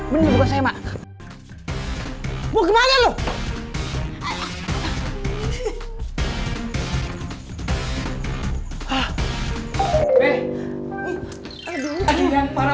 bener bukan saya mak